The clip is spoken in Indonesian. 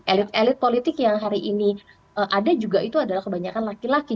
elit elit politik yang hari ini ada juga itu adalah kebanyakan laki laki